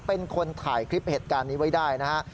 เป็นคนถ่ายคลิปเหตุการณ์นี้ไว้ได้นะฮะ